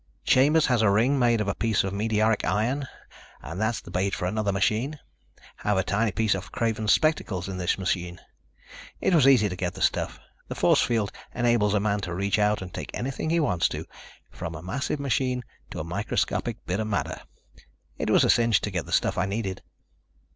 Chambers has a ring made of a piece of meteoric iron and that's the bait for another machine. Have a tiny piece off Craven's spectacles in his machine. It was easy to get the stuff. The force field enables a man to reach out and take anything he wants to, from a massive machine to a microscopic bit of matter. It was a cinch to get the stuff I needed."